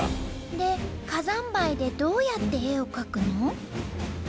で火山灰でどうやって絵を描くの？